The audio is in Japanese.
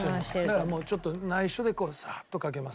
だからもうちょっと内緒でサッとかけますよ